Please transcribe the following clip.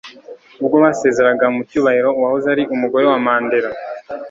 ubwo basezeraga mu cyubahiro uwahoze ari umugore wa mandela